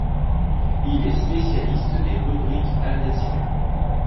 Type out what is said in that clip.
Il est spécialiste des rubriques aviations.